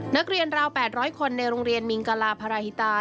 ราว๘๐๐คนในโรงเรียนมิงกลาพาราฮิตา